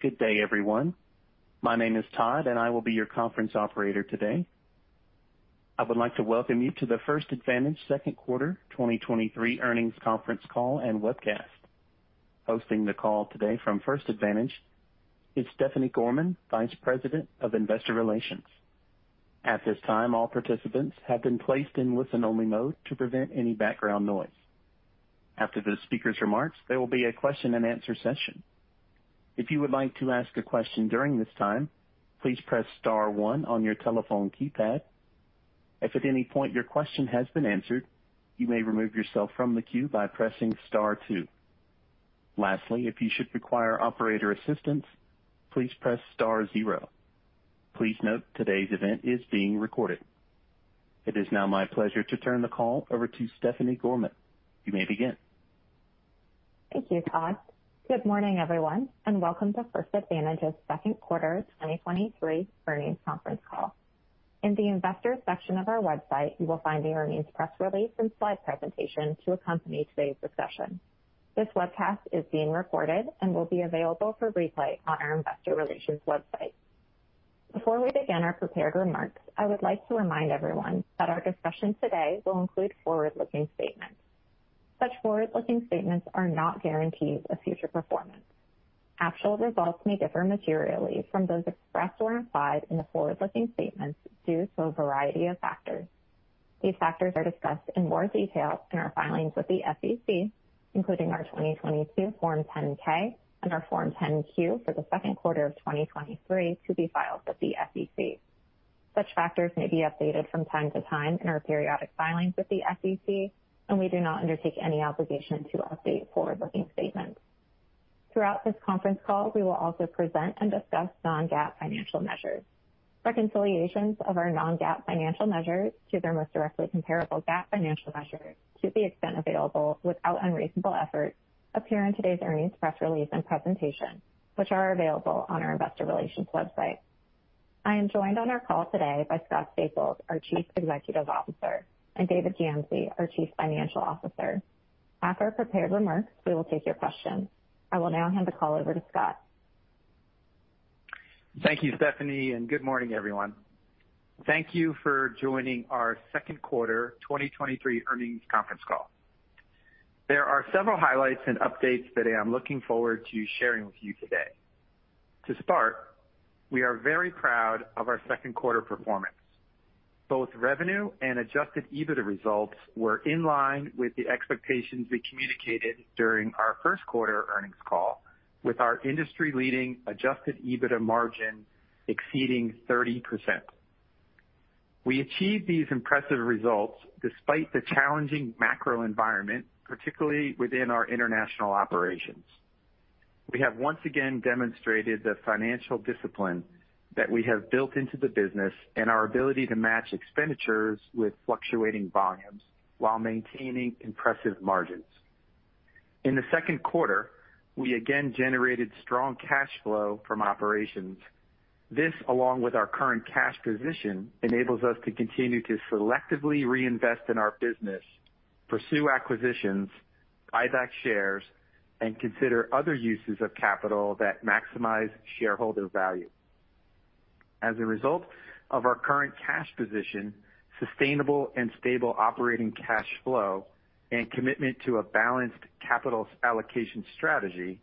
Good day, everyone. My name is Todd, and I will be your conference operator today. I would like to welcome you to the First Advantage Second Quarter 2023 Earnings Conference Call and Webcast. Hosting the call today from First Advantage is Stephanie Gorman, Vice President of Investor Relations. At this time, all participants have been placed in listen-only mode to prevent any background noise. After the speaker's remarks, there will be a question-and-answer session. If you would like to ask a question during this time, please press star one on your telephone keypad. If at any point your question has been answered, you may remove yourself from the queue by pressing star two. Lastly, if you should require operator assistance, please press star zero. Please note today's event is being recorded. It is now my pleasure to turn the call over to Stephanie Gorman. You may begin. Thank you, Todd. Good morning, everyone, and welcome to First Advantage's second quarter 2023 earnings conference call. In the investor section of our website, you will find the earnings press release and slide presentation to accompany today's discussion. This webcast is being recorded and will be available for replay on our investor relations website. Before we begin our prepared remarks, I would like to remind everyone that our discussion today will include forward-looking statements. Such forward-looking statements are not guarantees of future performance. Actual results may differ materially from those expressed or implied in the forward-looking statements due to a variety of factors. These factors are discussed in more detail in our filings with the SEC, including our 2022 Form 10-K and our Form 10-Q for the second quarter of 2023 to be filed with the SEC. Such factors may be updated from time to time in our periodic filings with the SEC, and we do not undertake any obligation to update forward-looking statements. Throughout this conference call, we will also present and discuss non-GAAP financial measures. Reconciliations of our non-GAAP financial measures to their most directly comparable GAAP financial measures, to the extent available without unreasonable effort, appear in today's earnings press release and presentation, which are available on our investor relations website. I am joined on our call today by Scott Staples, our Chief Executive Officer, and David Gamsey, our Chief Financial Officer. After our prepared remarks, we will take your questions. I will now hand the call over to Scott. Thank you, Stephanie, and good morning, everyone. Thank you for joining our second quarter 2023 earnings conference call. There are several highlights and updates that I'm looking forward to sharing with you today. To start, we are very proud of our second quarter performance. Both revenue and Adjusted EBITDA results were in line with the expectations we communicated during our first quarter earnings call, with our industry leading Adjusted EBITDA margin exceeding 30%. We achieved these impressive results despite the challenging macro environment, particularly within our international operations. We have once again demonstrated the financial discipline that we have built into the business and our ability to match expenditures with fluctuating volumes while maintaining impressive margins. In the second quarter, we again generated strong cash flow from operations. This, along with our current cash position, enables us to continue to selectively reinvest in our business, pursue acquisitions, buy back shares, and consider other uses of capital that maximize shareholder value. As a result of our current cash position, sustainable and stable operating cash flow and commitment to a balanced capital allocation strategy,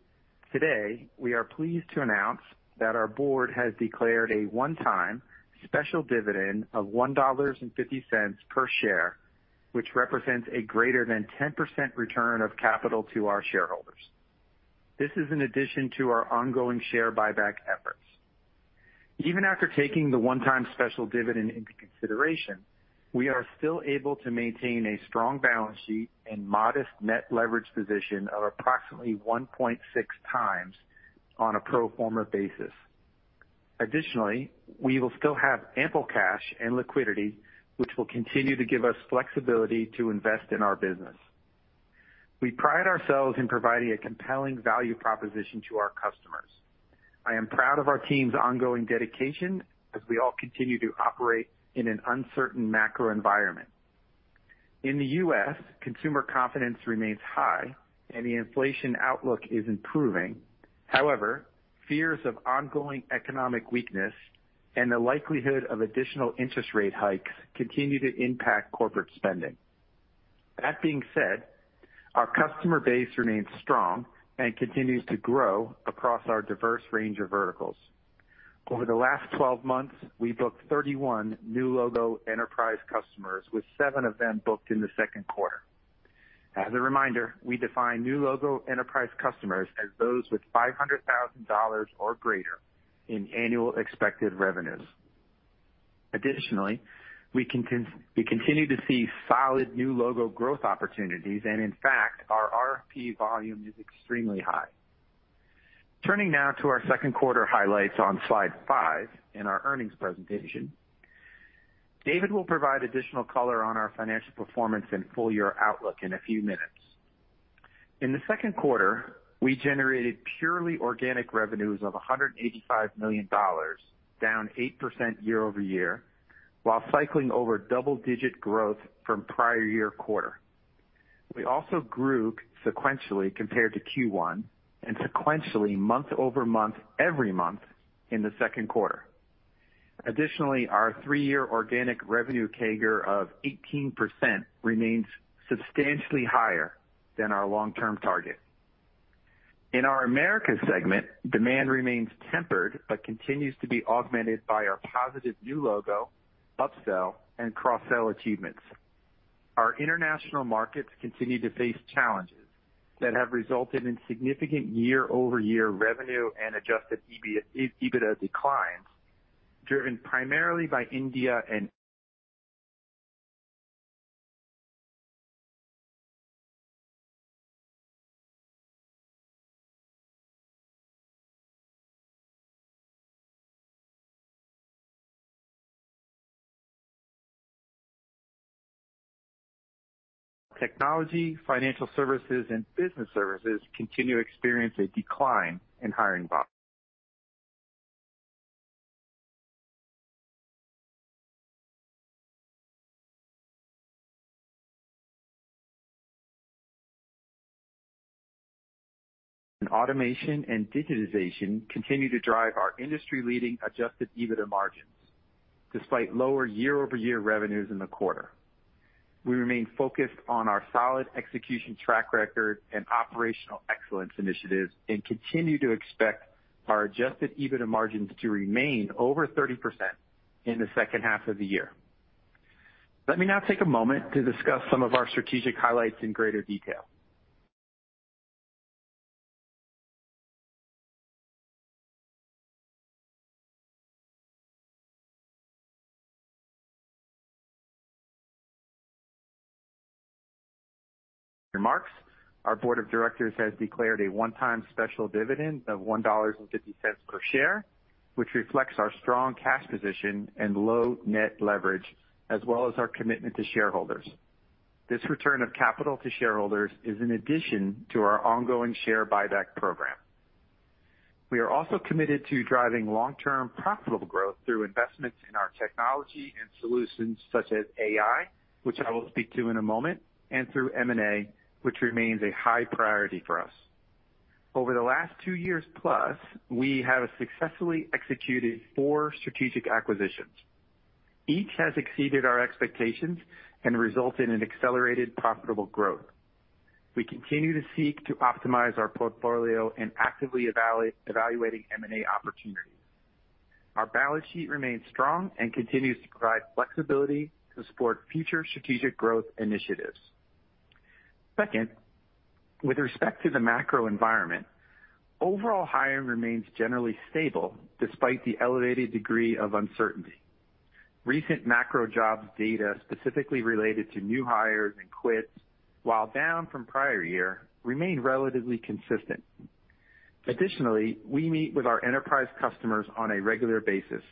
today, we are pleased to announce that our board has declared a one-time special dividend of $1.50 per share, which represents a greater than 10% return of capital to our shareholders. This is in addition to our ongoing share buyback efforts. Even after taking the one-time special dividend into consideration, we are still able to maintain a strong balance sheet and modest net leverage position of approximately 1.6 times on a pro forma basis. Additionally, we will still have ample cash and liquidity, which will continue to give us flexibility to invest in our business. We pride ourselves in providing a compelling value proposition to our customers. I am proud of our team's ongoing dedication as we all continue to operate in an uncertain macro environment. In the U.S. consumer confidence remains high and the inflation outlook is improving. However, fears of ongoing economic weakness and the likelihood of additional interest rate hikes continue to impact corporate spending. That being said, our customer base remains strong and continues to grow across our diverse range of verticals. Over the last 12 months, we booked 31 new logo enterprise customers, with seven of them booked in the second quarter. As a reminder, we define new logo enterprise customers as those with $500,000 or greater in annual expected revenues. Additionally, we continue to see solid new logo growth opportunities, and in fact, our RFP volume is extremely high. Turning now to our 2Q highlights on slide 5 in our earnings presentation. David will provide additional color on our financial performance and full year outlook in a few minutes. In the 2Q, we generated purely organic revenues of $185 million, down 8% year-over-year, while cycling over double-digit growth from prior year quarter. We also grew sequentially compared to Q1, and sequentially month-over-month, every month in the second quarter. Additionally, our three-year organic revenue CAGR of 18% remains substantially higher than our long-term target. In our Americas segment, demand remains tempered, but continues to be augmented by our positive new logo, upsell, and cross-sell achievements. Our international markets continue to face challenges that have resulted in significant year-over-year revenue and Adjusted EBITDA declines, driven primarily by India. Technology, financial services, and business services continue to experience a decline in hiring volume. Automation and digitization continue to drive our industry-leading Adjusted EBITDA margins, despite lower year-over-year revenues in the quarter. We remain focused on our solid execution track record and operational excellence initiatives, and continue to expect our Adjusted EBITDA margins to remain over 30% in the second half of the year. Let me now take a moment to discuss some of our strategic highlights in greater detail. Our board of directors has declared a one-time special dividend of $1.50 per share, which reflects our strong cash position and low net leverage, as well as our commitment to shareholders. This return of capital to shareholders is in addition to our ongoing share buyback program. We are also committed to driving long-term profitable growth through investments in our technology and solutions, such as AI, which I will speak to in a moment, and through M&A, which remains a high priority for us. Over the last two years plus, we have successfully executed four strategic acquisitions. Each has exceeded our expectations and resulted in accelerated profitable growth. We continue to seek to optimize our portfolio and actively evaluating M&A opportunities. Our balance sheet remains strong and continues to provide flexibility to support future strategic growth initiatives. Second, with respect to the macro environment, overall hiring remains generally stable despite the elevated degree of uncertainty. Recent macro jobs data, specifically related to new hires and quits, while down from prior year, remain relatively consistent. Additionally, we meet with our enterprise customers on a regular basis.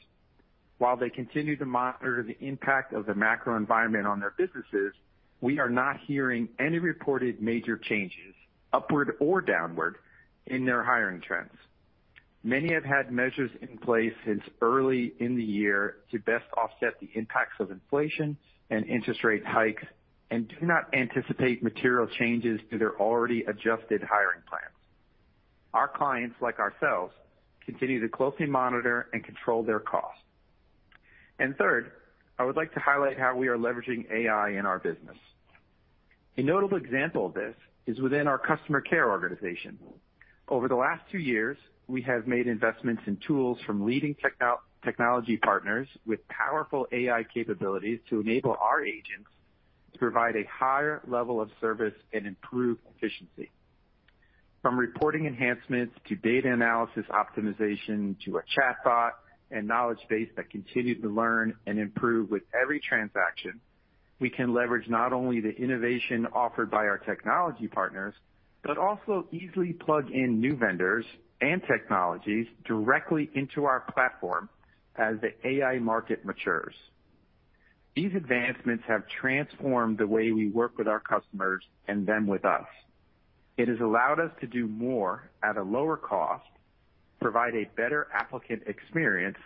While they continue to monitor the impact of the macro environment on their businesses, we are not hearing any reported major changes, upward or downward, in their hiring trends. Many have had measures in place since early in the year to best offset the impacts of inflation and interest rate hikes, and do not anticipate material changes to their already adjusted hiring plans. Our clients, like ourselves, continue to closely monitor and control their costs. Third, I would like to highlight how we are leveraging AI in our business. A notable example of this is within our customer care organization. Over the last two years, we have made investments in tools from leading technology partners with powerful AI capabilities to enable our agents to provide a higher level of service and improve efficiency. From reporting enhancements, to data analysis optimization, to a chatbot and knowledge base that continue to learn and improve with every transaction, we can leverage not only the innovation offered by our technology partners, but also easily plug in new vendors and technologies directly into our platform as the AI market matures. These advancements have transformed the way we work with our customers and them with us. It has allowed us to do more at a lower cost, provide a better applicant experience,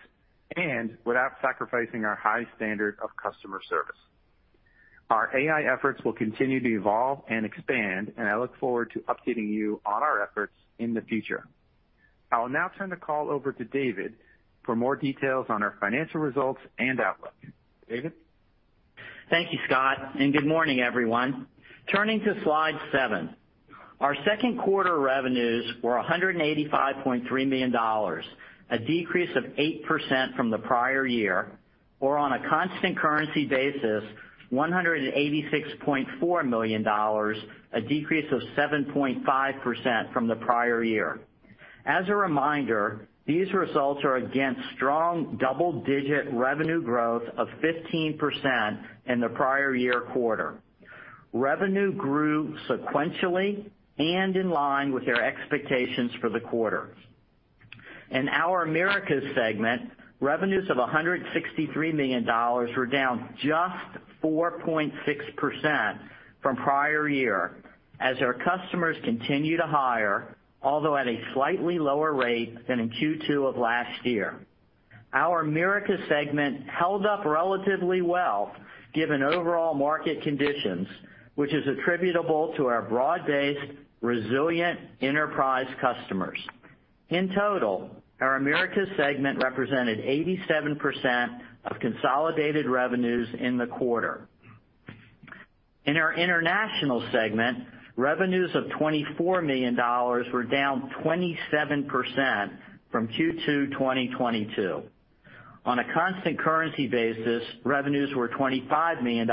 without sacrificing our high standard of customer service. Our AI efforts will continue to evolve and expand. I look forward to updating you on our efforts in the future. I will now turn the call over to David for more details on our financial results and outlook. David? Thank you, Scott. Good morning, everyone. Turning to slide 7. Our second quarter revenues were $185.3 million, a decrease of 8% from the prior year, or on a constant currency basis, $186.4 million, a decrease of 7.5% from the prior year. As a reminder, these results are against strong double-digit revenue growth of 15% in the prior year quarter. Revenue grew sequentially and in line with our expectations for the quarter. In our Americas segment, revenues of $163 million were down just 4.6% from prior year, as our customers continue to hire, although at a slightly lower rate than in Q2 of last year. Our Americas segment held up relatively well, given overall market conditions, whi ch is attributable to our broad-based, resilient enterprise customers. In total, our Americas segment represented 87% of consolidated revenues in the quarter. In our International segment, revenues of $24 million were down 27% from Q2 2022. On a constant currency basis, revenues were $25 million,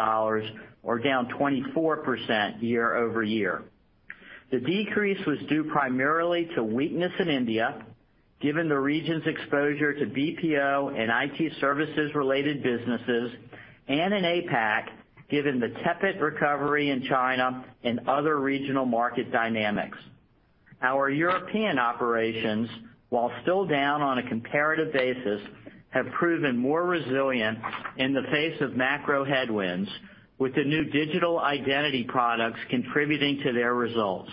or down 24% year-over-year. The decrease was due primarily to weakness in India, given the region's exposure to BPO and IT services-related businesses, and in APAC, given the tepid recovery in China and other regional market dynamics. Our European operations, while still down on a comparative basis, have proven more resilient in the face of macro headwinds, with the new Digital Identity products contributing to their results.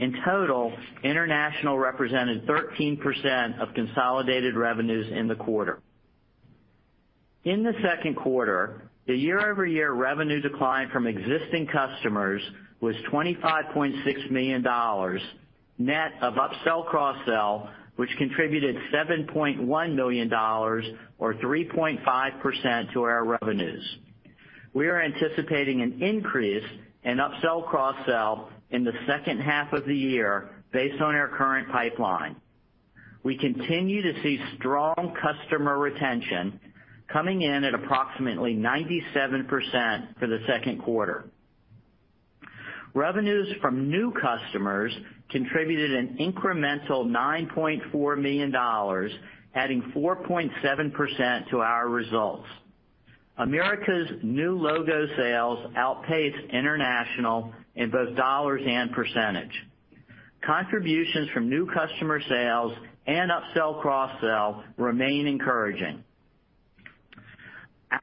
In total, International represented 13% of consolidated revenues in the quarter. In the second quarter, the year-over-year revenue decline from existing customers was $25.6 million, net of upsell/cross-sell, which contributed $7.1 million or 3.5% to our revenues. We are anticipating an increase in upsell/cross-sell in the second half of the year based on our current pipeline. We continue to see strong customer retention coming in at approximately 97% for the second quarter. Revenues from new customers contributed an incremental $9.4 million, adding 4.7% to our results. Americas' new logo sales outpaced International in both dollars and percentage. Contributions from new customer sales and upsell/cross-sell remain encouraging.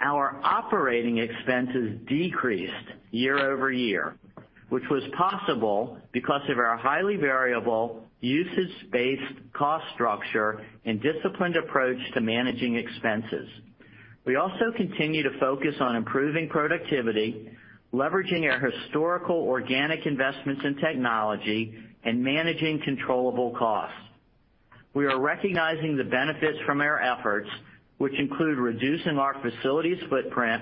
Our operating expenses decreased year-over-year, which was possible because of our highly variable, usage-based cost structure and disciplined approach to managing expenses. We also continue to focus on improving productivity, leveraging our historical organic investments in technology, and managing controllable costs. We are recognizing the benefits from our efforts, which include reducing our facilities footprint,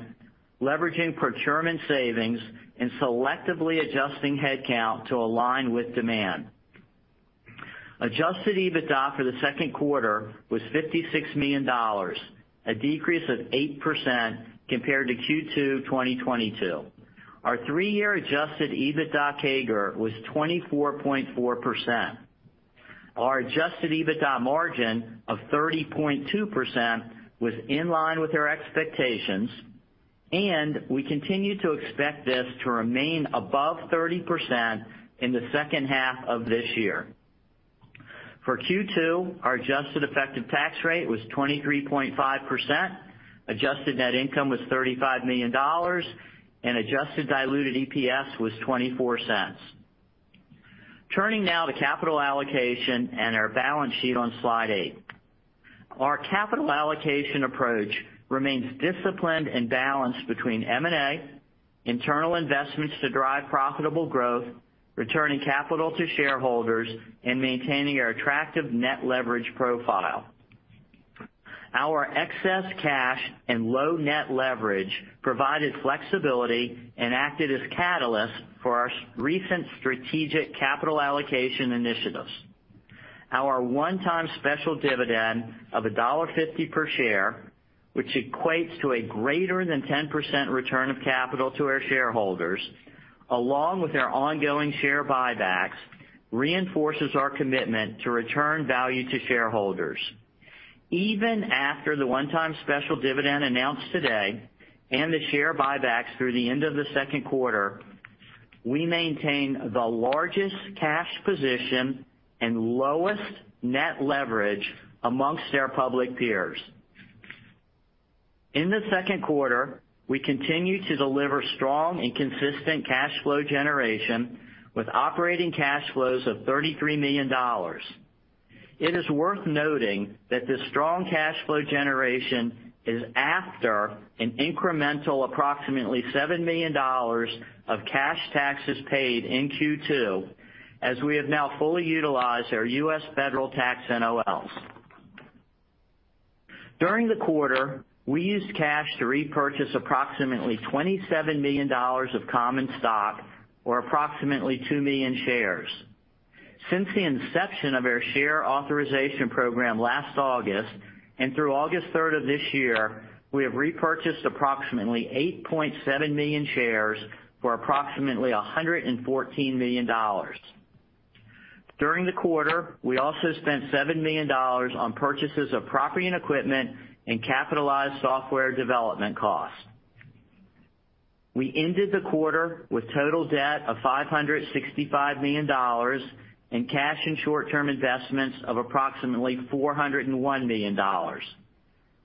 leveraging procurement savings, and selectively adjusting headcount to align with demand. Adjusted EBITDA for the second quarter was $56 million, a decrease of 8% compared to Q2 2022. Our three-year Adjusted EBITDA CAGR was 24.4%. Our Adjusted EBITDA margin of 30.2% was in line with our expectations, and we continue to expect this to remain above 30% in the second half of this year. For Q2, our adjusted effective tax rate was 23.5%, adjusted net income was $35 million, and adjusted diluted EPS was $0.24. Turning now to capital allocation and our balance sheet on Slide 8. Our capital allocation approach remains disciplined and balanced between M&A, internal investments to drive profitable growth, returning capital to shareholders, and maintaining our attractive net leverage profile. Our excess cash and low net leverage provided flexibility and acted as catalyst for our recent strategic capital allocation initiatives. Our one-time special dividend of $1.50 per share, which equates to a greater than 10% return of capital to our shareholders, along with our ongoing share buybacks, reinforces our commitment to return value to shareholders. Even after the one-time special dividend announced today and the share buybacks through the end of the second quarter, we maintain the largest cash position and lowest net leverage amongst our public peers. In the second quarter, we continued to deliver strong and consistent cash flow generation, with operating cash flows of $33 million. It is worth noting that the strong cash flow generation is after an incremental approximately $7 million of cash taxes paid in Q2, as we have now fully utilized our U.S. federal tax NOLs. During the quarter, we used cash to repurchase approximately $27 million of common stock, or approximately 2 million shares. Since the inception of our share authorization program last August and through August 3 of this year, we have repurchased approximately 8.7 million shares for approximately $114 million. During the quarter, we also spent $7 million on purchases of property and equipment and capitalized software development costs. We ended the quarter with total debt of $565 million, and cash and short-term investments of approximately $401 million.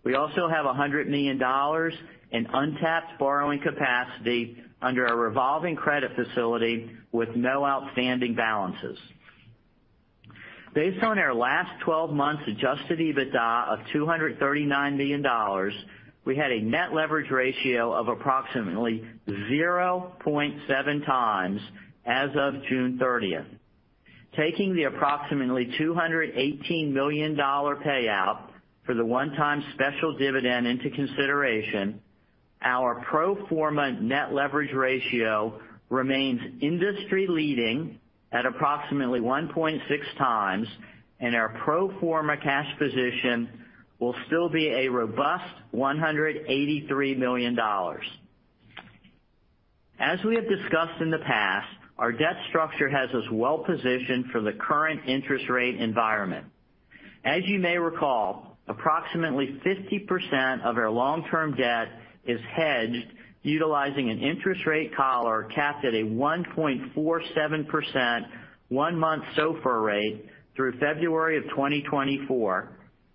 We also have $100 million in untapped borrowing capacity under our revolving credit facility with no outstanding balances. Based on our last 12 months Adjusted EBITDA of $239 million, we had a net leverage ratio of approximately 0.7 times as of June 30th. Taking the approximately $218 million payout for the one-time special dividend into consideration, our pro forma net leverage ratio remains industry-leading at approximately 1.6 times, and our pro forma cash position will still be a robust $183 million. As we have discussed in the past, our debt structure has us well positioned for the current interest rate environment. As you may recall, approximately 50% of our long-term debt is hedged utilizing an interest rate collar capped at a 1.47%, one month SOFR rate through February of 2024,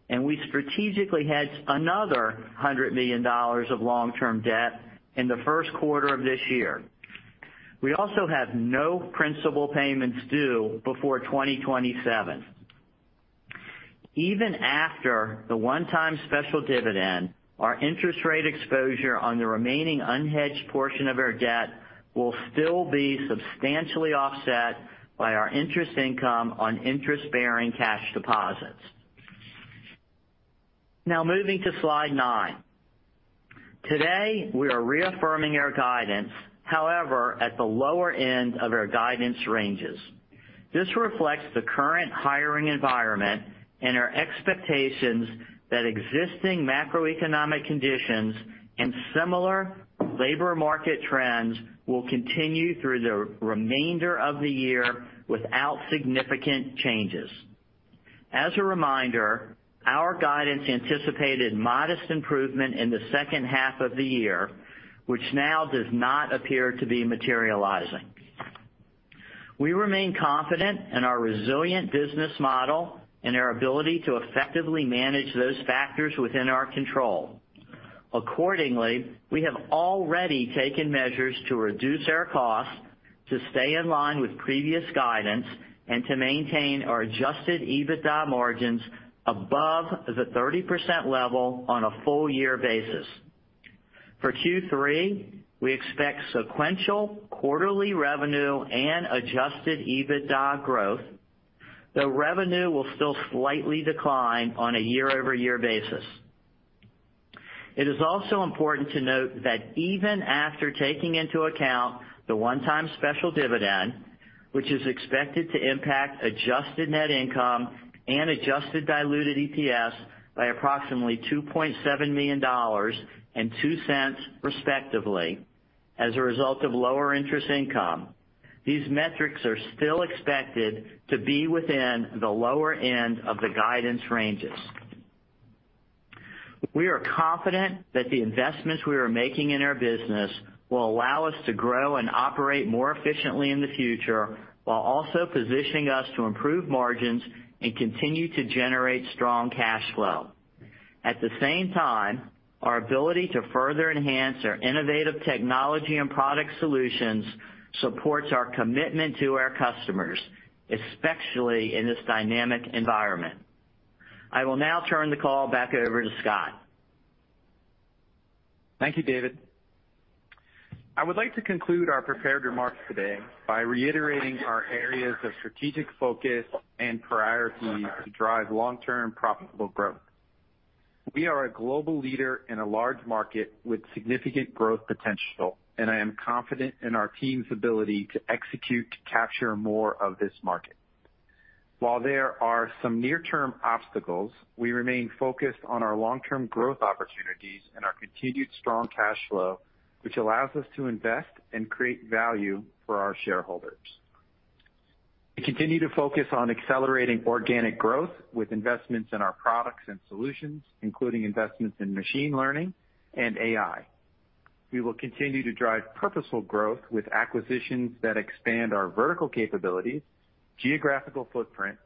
and we strategically hedged another $100 million of long-term debt in the first quarter of this year. We also have no principal payments due before 2027. Even after the one-time special dividend, our interest rate exposure on the remaining unhedged portion of our debt will still be substantially offset by our interest income on interest-bearing cash deposits. Moving to slide 9. Today, we are reaffirming our guidance, however, at the lower end of our guidance ranges. This reflects the current hiring environment and our expectations that existing macroeconomic conditions and similar labor market trends will continue through the remainder of the year without significant changes. As a reminder, our guidance anticipated modest improvement in the second half of the year, which now does not appear to be materializing. We remain confident in our resilient business model and our ability to effectively manage those factors within our control. Accordingly, we have already taken measures to reduce our costs, to stay in line with previous guidance, and to maintain our Adjusted EBITDA margins above the 30% level on a full year basis. For Q3, we expect sequential quarterly revenue and Adjusted EBITDA growth, though revenue will still slightly decline on a year-over-year basis. It is also important to note that even after taking into account the one-time special dividend, which is expected to impact adjusted net income and adjusted diluted EPS by approximately $2.7 million and $0.02, respectively, as a result of lower interest income, these metrics are still expected to be within the lower end of the guidance ranges. We are confident that the investments we are making in our business will allow us to grow and operate more efficiently in the future, while also positioning us to improve margins and continue to generate strong cash flow. At the same time, our ability to further enhance our innovative technology and product solutions supports our commitment to our customers, especially in this dynamic environment. I will now turn the call back over to Scott. Thank you, David. I would like to conclude our prepared remarks today by reiterating our areas of strategic focus and priorities to drive long-term profitable growth. We are a global leader in a large market with significant growth potential. I am confident in our team's ability to execute to capture more of this market. While there are some near-term obstacles, we remain focused on our long-term growth opportunities and our continued strong cash flow, which allows us to invest and create value for our shareholders. We continue to focus on accelerating organic growth with investments in our products and solutions, including investments in machine learning and AI. We will continue to drive purposeful growth with acquisitions that expand our vertical capabilities, geographical footprint,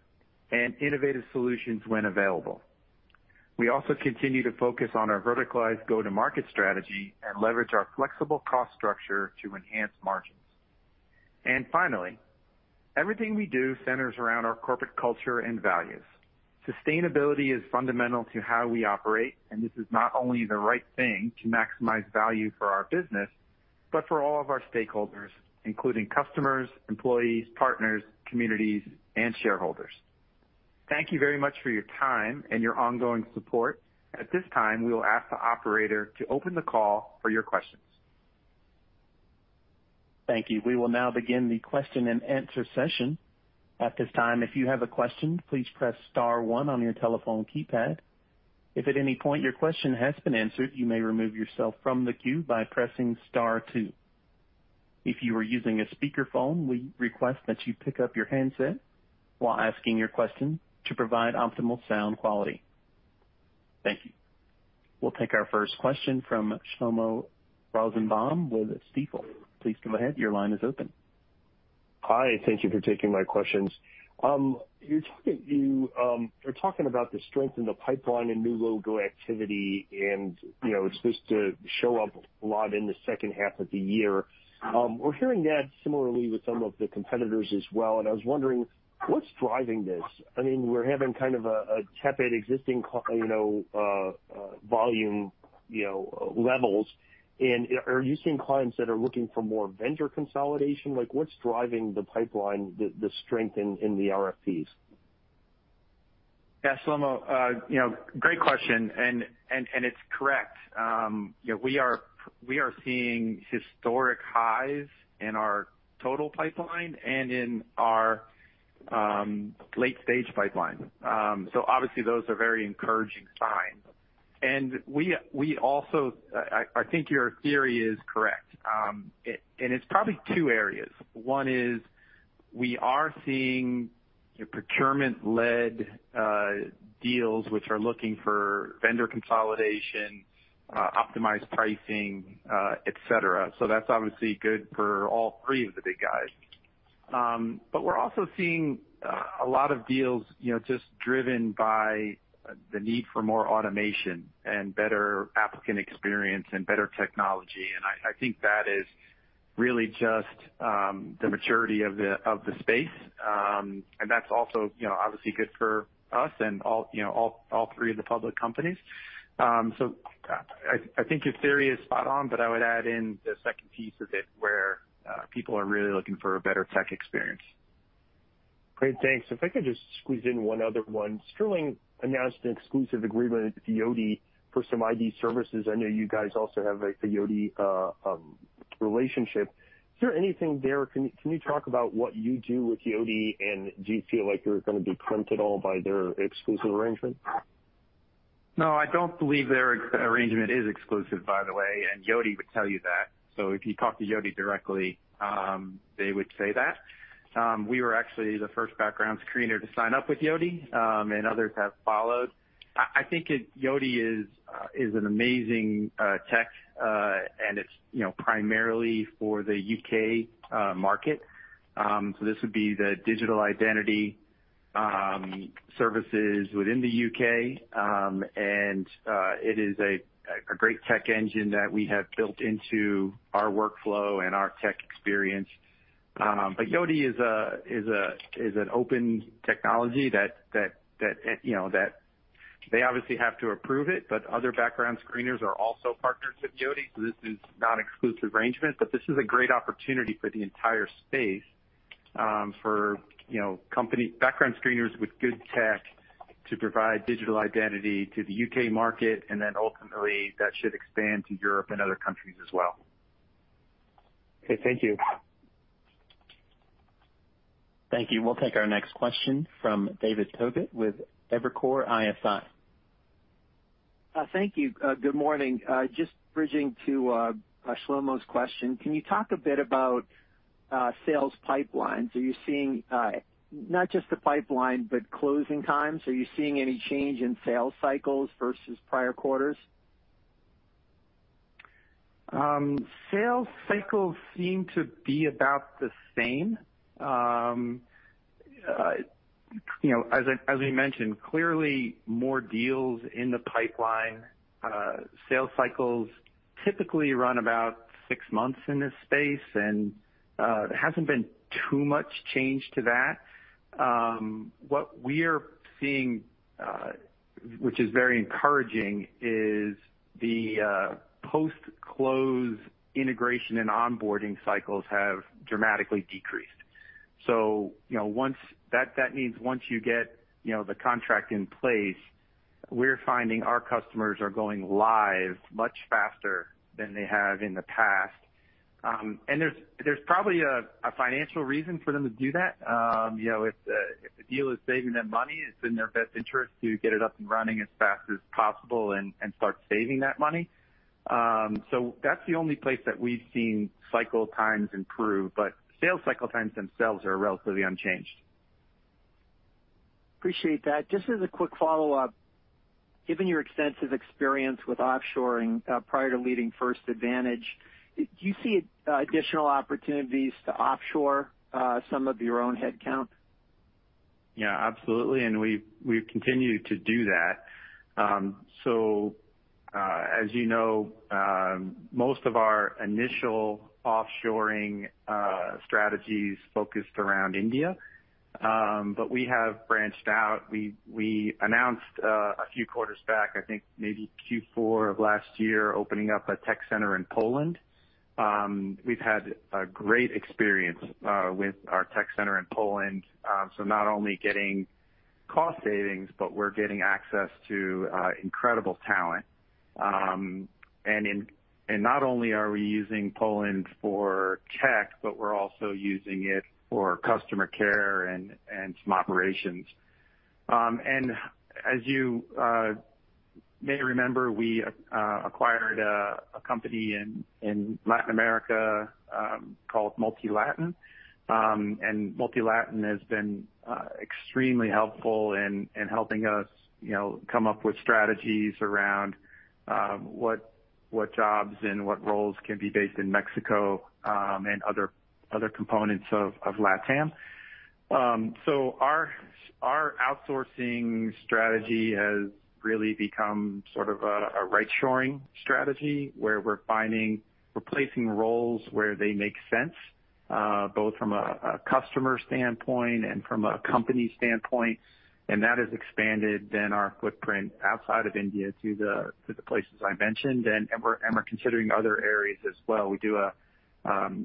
and innovative solutions when available. We also continue to focus on our verticalized go-to-market strategy and leverage our flexible cost structure to enhance margins. Finally, everything we do centers around our corporate culture and values. Sustainability is fundamental to how we operate, and this is not only the right thing to maximize value for our business, but for all of our stakeholders, including customers, employees, partners, communities, and shareholders. Thank you very much for your time and your ongoing support. At this time, we will ask the operator to open the call for your questions. Thank you. We will now begin the question-and-answer session. At this time, if you have a question, please press star one on your telephone keypad. If at any point your question has been answered, you may remove yourself from the queue by pressing star two. If you are using a speakerphone, we request that you pick up your handset while asking your question to provide optimal sound quality. Thank you. We'll take our first question from Shlomo Rosenbaum with Stifel. Please go ahead. Your line is open. Hi, thank you for taking my questions. You're talking, you're talking about the strength in the pipeline and new logo activity, and, you know, it's supposed to show up a lot in the second half of the year. We're hearing that similarly with some of the competitors as well, and I was wondering, what's driving this? I mean, we're having kind of a, a tepid existing you know, volume, you know, levels. Are you seeing clients that are looking for more vendor consolidation? Like, what's driving the pipeline, the, the strength in, in the RFPs? Yeah, Shlomo, you know, great question. It's correct. You know, we are, we are seeing historic highs in our total pipeline and in our late-stage pipeline. Obviously, those are very encouraging signs. We, we also, I, I think your theory is correct. It's probably two areas. One is we are seeing your procurement-led deals, which are looking for vendor consolidation, optimized pricing, et cetera. That's obviously good for all three of the big guys. We're also seeing a lot of deals, you know, just driven by the need for more automation and better applicant experience and better technology, and I, I think that is really just the maturity of the space. That's also, you know, obviously good for us and all, you know, all, all three of the public companies. I think your theory is spot on, but I would add in the second piece of it, where people are really looking for a better tech experience. Great. Thanks. If I could just squeeze in one other one. Sterling announced an exclusive agreement with Yoti for some ID services. I know you guys also have a Yoti relationship. Is there anything there? Can you talk about what you do with Yoti, and do you feel like you're gonna be preempted all by their exclusive arrangement? No, I don't believe their arrangement is exclusive, by the way, and Yoti would tell you that. If you talk to Yoti directly, they would say that. We were actually the first background screener to sign up with Yoti, and others have followed. I think it Yoti is an amazing tech, and it's, you know, primarily for the U.K. market. This would be the Digital Identity services within the U.K., and it is a great tech engine that we have built into our workflow and our tech experience. Yoti is an open technology that, you know, that they obviously have to approve it, but other background screeners are also partners with Yoti, so this is not exclusive arrangement. This is a great opportunity for the entire space, for, you know, company- background screeners with good tech to provide Digital Identity to the U.K. market, and then ultimately that should expand to Europe and other countries as well. Okay, thank you. Thank you. We'll take our next question from David Togut with Evercore ISI. Thank you. Good morning. Just bridging to Shlomo's question, can you talk a bit about sales pipelines? Are you seeing not just the pipeline but closing times? Are you seeing any change in sales cycles versus prior quarters? Sales cycles seem to be about the same. You know, as I, as we mentioned, clearly more deals in the pipeline. Sales cycles typically run about six months in this space, and there hasn't been too much change to that. What we are seeing, which is very encouraging, is the post-close integration and onboarding cycles have dramatically decreased. You know, once... That, that means once you get, you know, the contract in place, we're finding our customers are going live much faster than they have in the past. There's, there's probably a, a financial reason for them to do that. You know, if the, if the deal is saving them money, it's in their best interest to get it up and running as fast as possible and start saving that money. That's the only place that we've seen cycle times improve, but sales cycle times themselves are relatively unchanged. Appreciate that. Just as a quick follow-up, given your extensive experience with offshoring, prior to leading First Advantage, do you see additional opportunities to offshore some of your own headcount? Yeah, absolutely, and we've, we've continued to do that. As you know, most of our initial offshoring strategies focused around India, but we have branched out. We, we announced a few quarters back, I think maybe Q4 of last year, opening up a tech center in Poland. We've had a great experience with our tech center in Poland. Not only getting cost savings, but we're getting access to incredible talent. Not only are we using Poland for tech, but we're also using it for customer care and some operations. As you may remember, we acquired a company in Latin America called MultiLatin. MultiLatin has been extremely helpful in, in helping us, you know, come up with strategies around what, what jobs and what roles can be based in Mexico, and other, other components of, of LatAm. Our, our outsourcing strategy has really become sort of a, a right shoring strategy, where we're finding replacing roles where they make sense, both from a, a customer standpoint and from a company standpoint. That has expanded then our footprint outside of India to the, to the places I mentioned. We're considering other areas as well.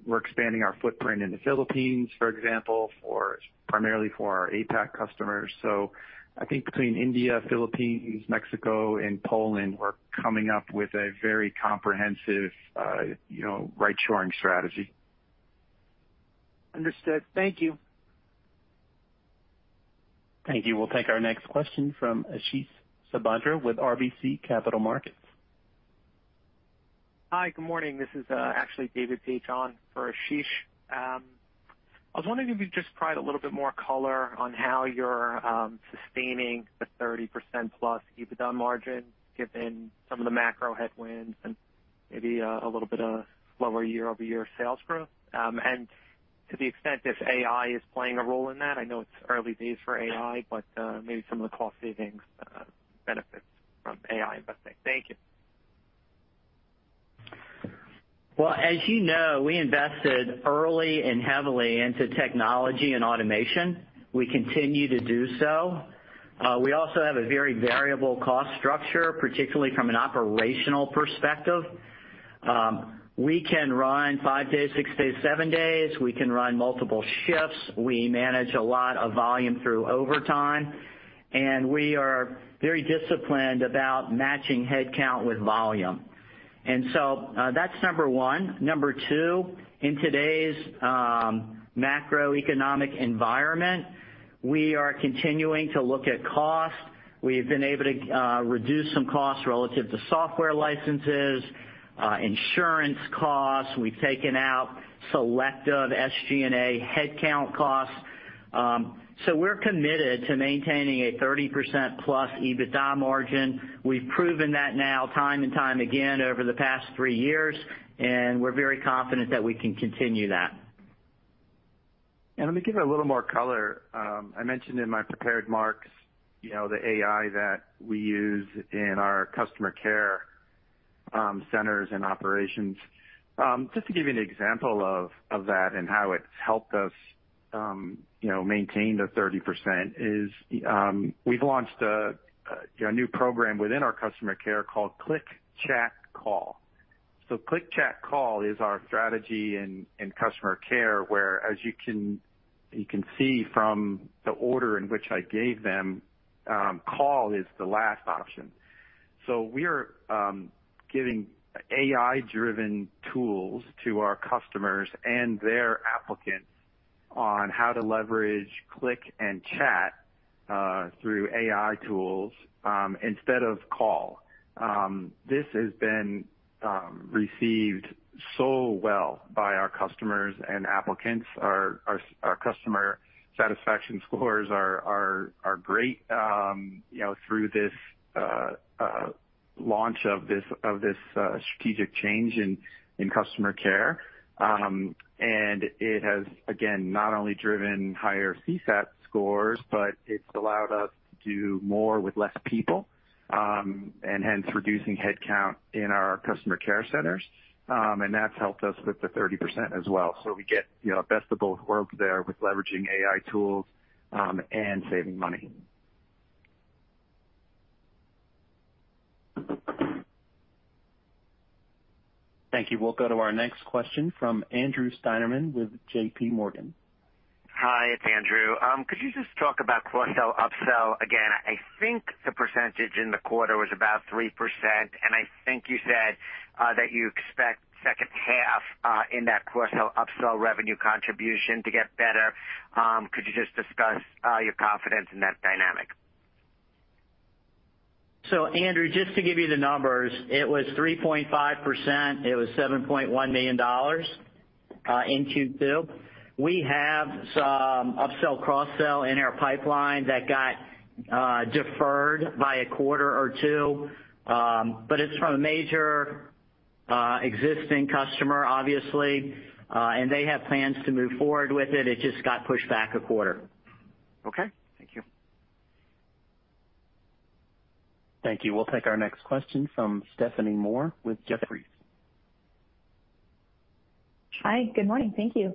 We're expanding our footprint in the Philippines, for example, for primarily for our APAC customers. I think between India, Philippines, Mexico, and Poland, we're coming up with a very comprehensive, you know, right shoring strategy. Understood. Thank you. Thank you. We'll take our next question from Ashish Sabadra with RBC Capital Markets. Hi, good morning. This is actually David Paige for Ashish. I was wondering if you could just provide a little bit more color on how you're sustaining the 30%+ EBITDA margin, given some of the macro headwinds and maybe a little bit of lower year-over-year sales growth. To the extent, if AI is playing a role in that, I know it's early days for AI, but maybe some of the cost savings benefits from AI investing. Thank you. Well, as you know, we invested early and heavily into technology and automation. We continue to do so. We also have a very variable cost structure, particularly from an operational perspective. We can run five days, six days, seven days. We can run multiple shifts. We manage a lot of volume through overtime, and we are very disciplined about matching headcount with volume. So, that's number one. Number two, in today's macroeconomic environment, we are continuing to look at cost. We've been able to reduce some costs relative to software licenses, insurance costs. We've taken out selective SG&A headcount costs. So we're committed to maintaining a 30%+ EBITDA margin. We've proven that now time and time again over the past three years, and we're very confident that we can continue that. Let me give it a little more color. I mentioned in my prepared marks, you know, the AI that we use in our customer care centers and operations. Just to give you an example of, of that and how it's helped us, you know, maintain the 30% is, we've launched a new program within our customer care called Click, Chat, Call. Click, Chat, Call is our strategy in customer care, where as you can, you can see from the order in which I gave them, call is the last option. We are giving AI-driven tools to our customers and their applicants on how to leverage Click and Chat through AI tools instead of call. This has been received so well by our customers and applicants. Our, our, our customer satisfaction scores are, are, are great, you know, through this launch of this, of this strategic change in, in customer care. It has, again, not only driven higher CSAT scores, but it's allowed us to do more with less people, and hence, reducing headcount in our customer care centers. That's helped us with the 30% as well. We get, you know, best of both worlds there with leveraging AI tools, and saving money. Thank you. We'll go to our next question from Andrew Steinerman with J.P. Morgan. Hi, it's Andrew. Could you just talk about cross-sell, upsell again? I think the percentage in the quarter was about 3%, and I think you said that you expect second half in that cross-sell, upsell revenue contribution to get better. Could you just discuss your confidence in that dynamic? Andrew, just to give you the numbers, it was 3.5%. It was $7.1 million in Q2. We have some upsell, cross-sell in our pipeline that got deferred by a quarter or two. It's from a major existing customer, obviously, and they have plans to move forward with it. It just got pushed back a quarter. Okay. Thank you. Thank you. We'll take our next question from Stephanie Moore with Jefferies. Hi, good morning. Thank you.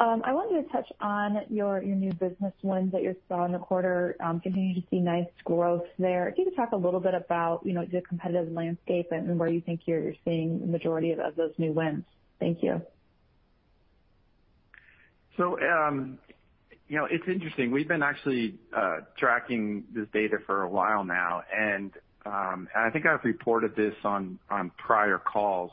I want you to touch on your, your new business wins that you saw in the quarter, continue to see nice growth there. Can you talk a little bit about, you know, the competitive landscape and where you think you're seeing the majority of, of those new wins? Thank you. You know, it's interesting. We've been actually tracking this data for a while now, and I think I've reported this on prior calls.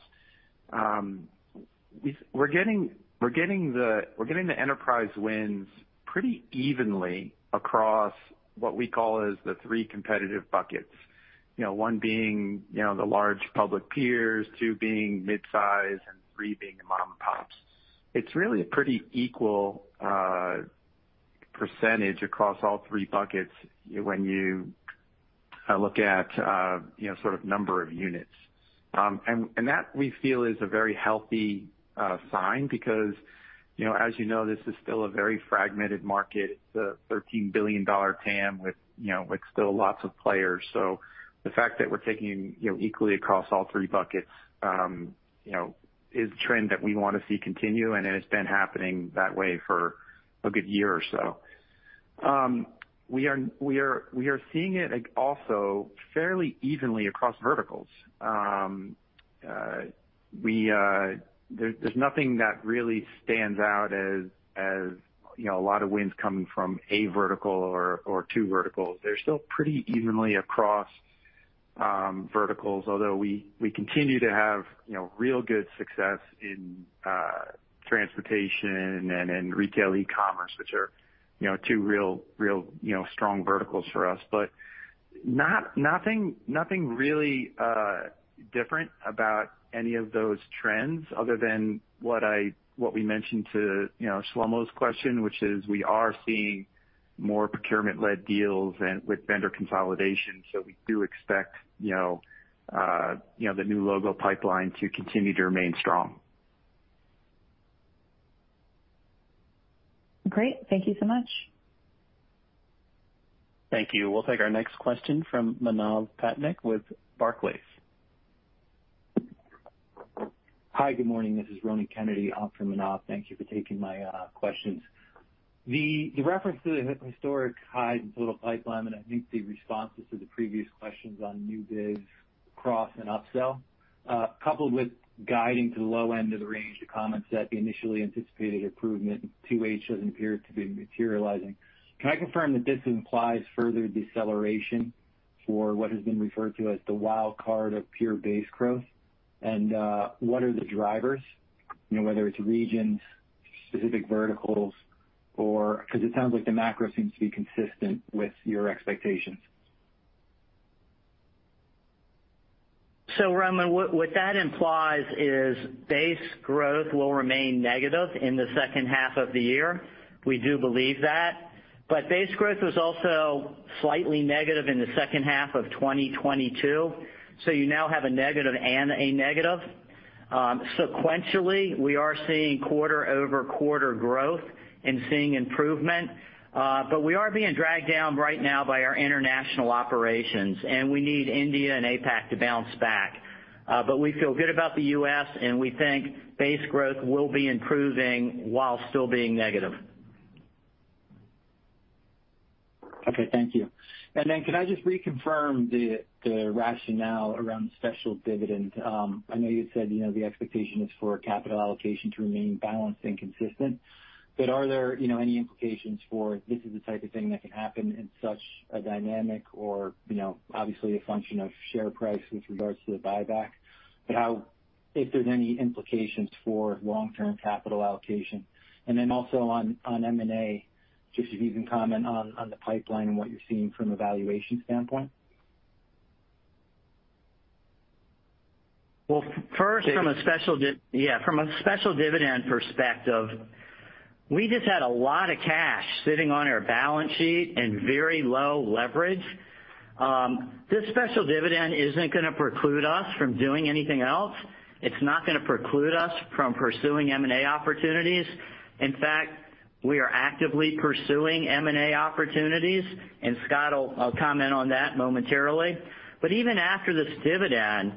We're getting, we're getting the, we're getting the enterprise wins pretty evenly across what we call is the three competitive buckets. You know, one being, you know, the large public peers, two being mid-size, and three being the mom and pops. It's really a pretty equal percentage across all three buckets when you...... I look at, you know, sort of number of units. And that, we feel, is a very healthy sign because, you know, as you know, this is still a very fragmented market. It's a $13 billion TAM with, you know, with still lots of players. The fact that we're taking, you know, equally across all 3 buckets, you know, is a trend that we wanna see continue, and it's been happening that way for a good year or so. We are seeing it, like, also fairly evenly across verticals. We, there, there's nothing that really stands out as, you know, a lot of wins coming from a vertical or 2 verticals. They're still pretty evenly across verticals, although we, we continue to have, you know, real good success in transportation and in retail e-commerce, which are, you know, 2 real, real, you know, strong verticals for us. Nothing, nothing really, different about any of those trends other than what we mentioned to, you know, Shlomo's question, which is we are seeing more procurement-led deals and with vendor consolidation. We do expect, you know, the new logo pipeline to continue to remain strong. Great. Thank you so much. Thank you. We'll take our next question from Manav Patnaik with Barclays. Hi, good morning. This is Ronan Kennedy on for Manav. Thank you for taking my questions. The, the reference to the historic highs in total pipeline, and I think the responses to the previous questions on new biz, cross, and upsell, coupled with guiding to the low end of the range, the comments that the initially anticipated improvement in 2H doesn't appear to be materializing. Can I confirm that this implies further deceleration for what has been referred to as the wild card of pure base growth? What are the drivers? You know, whether it's regions, specific verticals, or... 'cause it sounds like the macro seems to be consistent with your expectations. Ronan, what, what that implies is base growth will remain negative in the second half of the year. We do believe that. Base growth was also slightly negative in the second half of 2022, so you now have a negative and a negative. Sequentially, we are seeing quarter-over-quarter growth and seeing improvement, but we are being dragged down right now by our international operations, and we need India and APAC to bounce back. We feel good about the US, and we think base growth will be improving while still being negative. Okay, thank you. Could I just reconfirm the rationale around the special dividend? I know you said, you know, the expectation is for capital allocation to remain balanced and consistent, but are there, you know, any implications for this is the type of thing that can happen in such a dynamic or, you know, obviously, a function of share price with regards to the buyback? If there's any implications for long-term capital allocation? Also on M&A, just if you can comment on the pipeline and what you're seeing from a valuation standpoint. Well, first, from a special dividend perspective, we just had a lot of cash sitting on our balance sheet and very low leverage. This special dividend isn't gonna preclude us from doing anything else. It's not gonna preclude us from pursuing M&A opportunities. In fact, we are actively pursuing M&A opportunities. Scott will comment on that momentarily. Even after this dividend,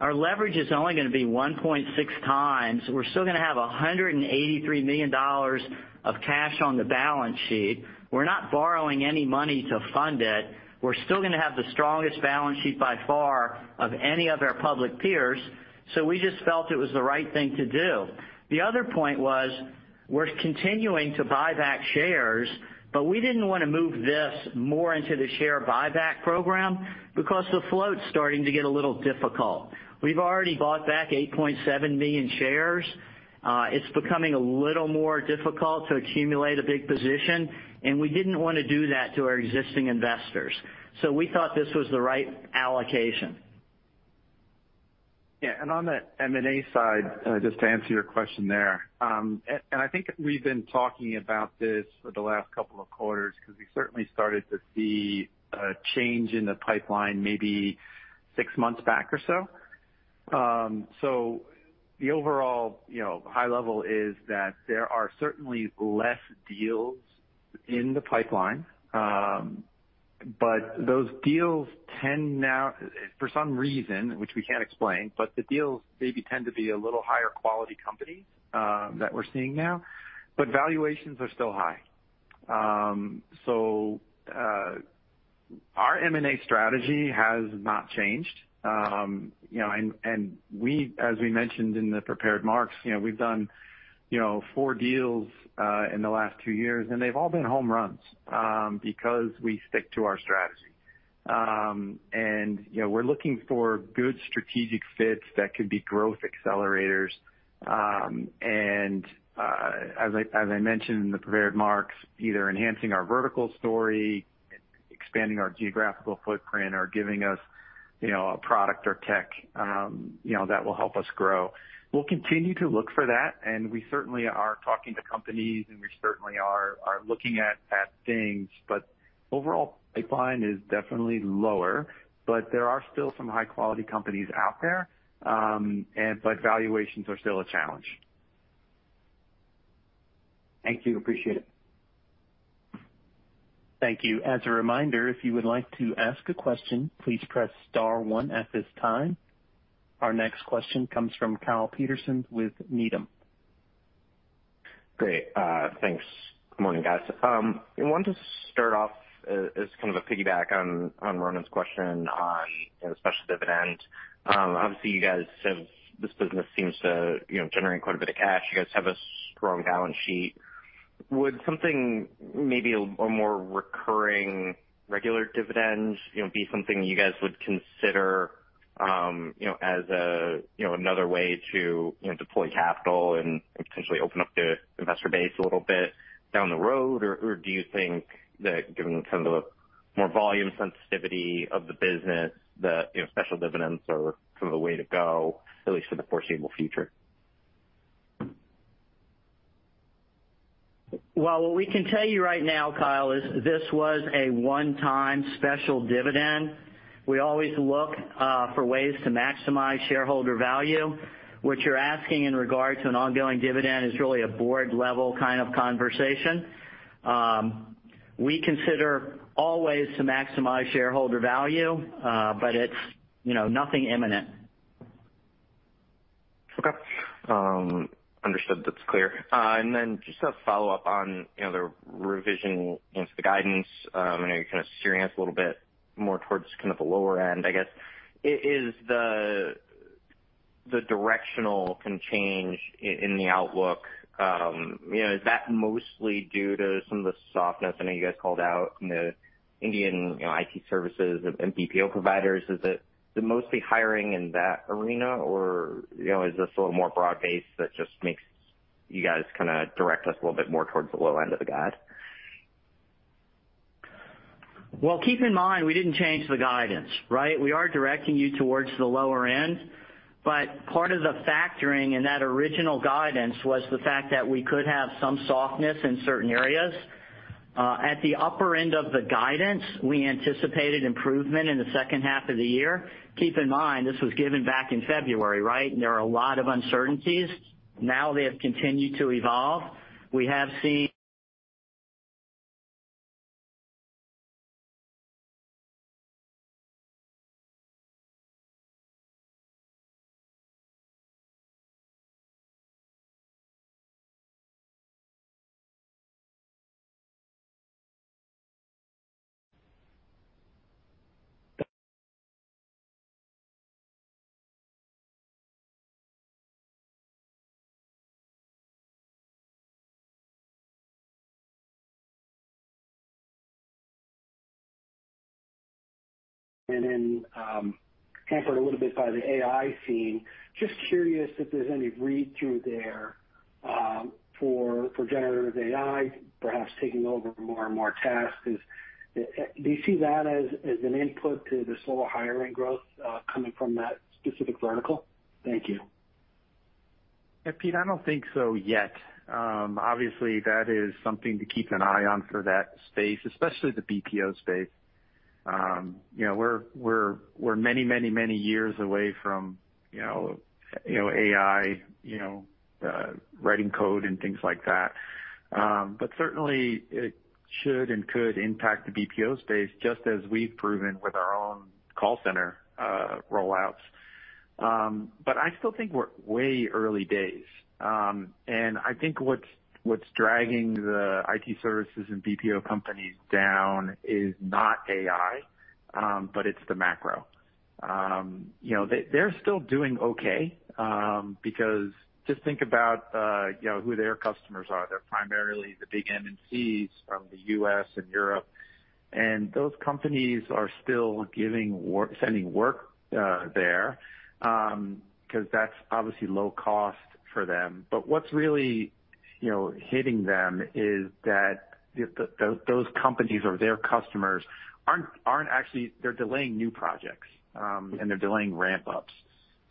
our leverage is only gonna be 1.6 times. We're still gonna have $183 million of cash on the balance sheet. We're not borrowing any money to fund it. We're still gonna have the strongest balance sheet, by far, of any of our public peers. We just felt it was the right thing to do. The other point was, we're continuing to buy back shares, but we didn't wanna move this more into the share buyback program because the float's starting to get a little difficult. We've already bought back 8.7 million shares. It's becoming a little more difficult to accumulate a big position, and we didn't wanna do that to our existing investors. We thought this was the right allocation. Yeah, on the M&A side, just to answer your question there. I think we've been talking about this for the last couple of quarters because we certainly started to see a change in the pipeline maybe six months back or so. The overall, you know, high level is that there are certainly less deals in the pipeline, but those deals tend now, for some reason, which we can't explain, but the deals maybe tend to be a little higher quality companies that we're seeing now, but valuations are still high. Our M&A strategy has not changed. You know, we, as we mentioned in the prepared marks, you know, we've done, you know, 4 deals in the last 2 years, and they've all been home runs, because we stick to our strategy. You know, we're looking for good strategic fits that could be growth accelerators. As I, as I mentioned in the prepared marks, either enhancing our vertical story, expanding our geographical footprint, or giving us... you know, a product or tech, you know, that will help us grow. We'll continue to look for that, and we certainly are talking to companies, and we certainly are, are looking at, at things. Overall, pipeline is definitely lower, but there are still some high-quality companies out there, and but valuations are still a challenge. Thank you. Appreciate it. Thank you. As a reminder, if you would like to ask a question, please press star one at this time. Our next question comes from Kyle Peterson with Needham. Great. Thanks. Good morning, guys. I wanted to start off as, as kind of a piggyback on, on Ronan's question on the special dividend. Obviously, this business seems to, you know, generate quite a bit of cash. You guys have a strong balance sheet. Would something maybe a, a more recurring regular dividend, you know, be something you guys would consider, you know, as a, you know, another way to, you know, deploy capital and potentially open up the investor base a little bit down the road? Or do you think that given kind of the more volume sensitivity of the business, that, you know, special dividends are sort of the way to go, at least for the foreseeable future? Well, what we can tell you right now, Kyle, is this was a one-time special dividend. We always look for ways to maximize shareholder value. What you're asking in regard to an ongoing dividend is really a board-level kind of conversation. We consider all ways to maximize shareholder value, but it's, you know, nothing imminent. Okay. Understood. That's clear. Then just a follow-up on, you know, the revision into the guidance. I know you're kind of steering us a little bit more towards kind of the lower end, I guess. Is the, the directional change in the outlook, you know, is that mostly due to some of the softness? I know you guys called out the Indian, you know, IT services and BPO providers. Is it the mostly hiring in that arena, or, you know, is this a little more broad-based that just makes you guys kind of direct us a little bit more towards the low end of the guide? Well, keep in mind, we didn't change the guidance, right? We are directing you towards the lower end, but part of the factoring in that original guidance was the fact that we could have some softness in certain areas. At the upper end of the guidance, we anticipated improvement in the second half of the year. Keep in mind, this was given back in February, right? There are a lot of uncertainties. They have continued to evolve. We have seen- Hampered a little bit by the AI scene. Just curious if there's any read-through there for, for generative AI, perhaps taking over more and more tasks. Is do you see that as, as an input to the slower hiring growth coming from that specific vertical? Thank you. Yeah, Pete, I don't think so yet. Obviously, that is something to keep an eye on for that space, especially the BPO space. You know, we're, we're, we're many, many, many years away from, you know, AI, writing code and things like that. Certainly, it should and could impact the BPO space, just as we've proven with our own call center, rollouts. I still think we're way early days. I think what's, what's dragging the IT services and BPO companies down is not AI, but it's the macro. You know, they're still doing okay, because just think about, you know, who their customers are. They're primarily the big MNCs from the US and Europe, and those companies are still giving work, sending work there, because that's obviously low cost for them. What's really, you know, hitting them is that the, those, those companies or their customers aren't, aren't actually, they're delaying new projects and they're delaying ramp-ups.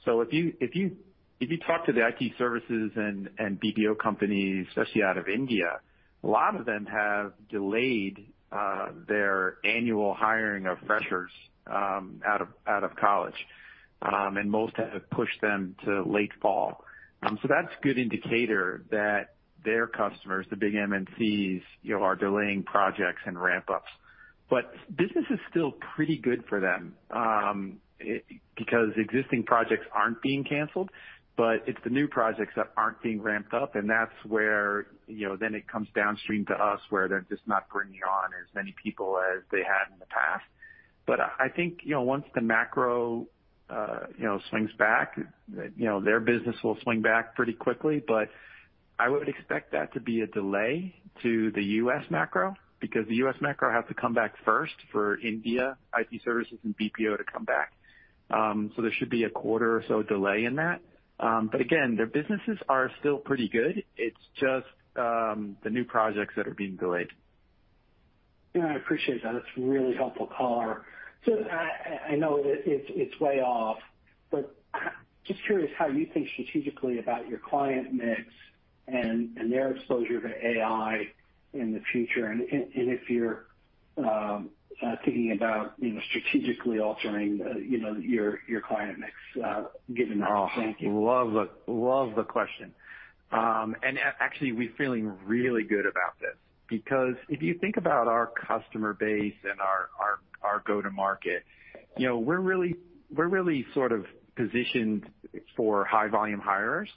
If you, if you, if you talk to the IT services and BPO companies, especially out of India, a lot of them have delayed their annual hiring of freshers out of, out of college, and most have pushed them to late fall. That's a good indicator that their customers, the big MNCs, you know, are delaying projects and ramp-ups. Business is still pretty good for them because existing projects aren't being canceled, but it's the new projects that aren't being ramped up, and that's where, you know, then it comes downstream to us, where they're just not bringing on as many people as they had in the past. I think, you know, once the macro, you know, swings back, you know, their business will swing back pretty quickly. I would expect that to be a delay to the U.S. macro because the U.S. macro has to come back first for India, IT services and BPO to come back. There should be a quarter or so delay in that. Again, their businesses are still pretty good. It's just the new projects that are being delayed. Yeah, I appreciate that. That's a really helpful call. I, I know it, it's, it's way off, but just curious how you think strategically about your client mix and, and their exposure to AI in the future, and, and, and if you're thinking about, you know, strategically altering, you know, your, your client mix, given that? Thank you. Oh, love the, love the question. Actually, we're feeling really good about this because if you think about our customer base and our, our, our go-to-market, you know, we're really, we're really sort of positioned for high-volume hirers,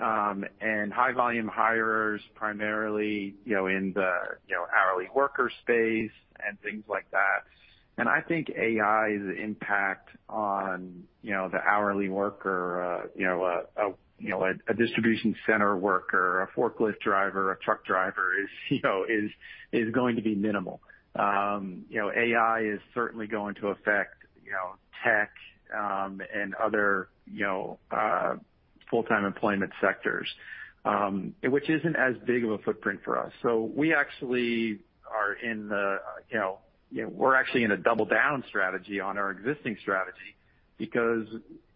and high-volume hirers primarily, you know, in the, you know, hourly worker space and things like that. I think AI's impact on, you know, the hourly worker, you know, a distribution center worker, a forklift driver, a truck driver is, you know, is, is going to be minimal. You know, AI is certainly going to affect, you know, tech, and other, you know, full-time employment sectors, which isn't as big of a footprint for us. We actually are in the, you know, we're actually in a double down strategy on our existing strategy because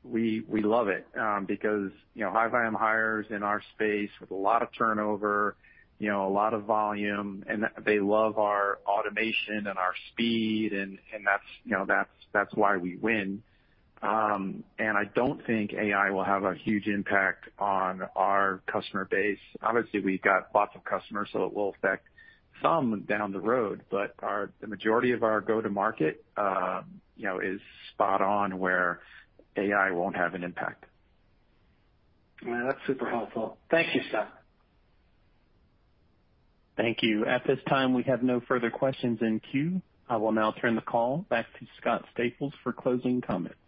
we, we love it. Because, you know, high-volume hirers in our space with a lot of turnover, you know, a lot of volume, and they love our automation and our speed, and, and that's, you know, that's, that's why we win. I don't think AI will have a huge impact on our customer base. Obviously, we've got lots of customers, so it will affect some down the road, but the majority of our go-to-market, you know, is spot on where AI won't have an impact. Yeah, that's super helpful. Thank you, Scott. Thank you. At this time, we have no further questions in queue. I will now turn the call back to Scott Staples for closing comments.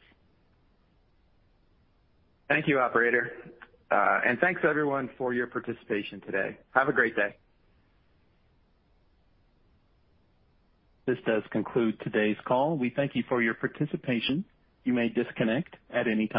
Thank you, operator. Thanks, everyone, for your participation today. Have a great day. This does conclude today's call. We thank you for your participation. You may disconnect at any time.